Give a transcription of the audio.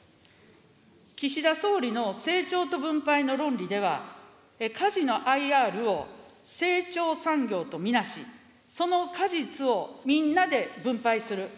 岸田総理の成長と分配の論理では、カジノ・ＩＲを成長産業と見なし、その果実をみんなで分配する。